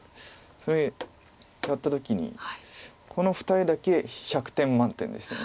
それやった時にこの２人だけ１００点満点でした。